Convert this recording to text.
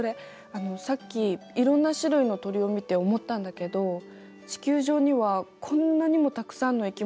あのさっきいろんな種類の鳥を見て思ったんだけど地球上にはこんなにもたくさんの生き物が暮らしてるよね。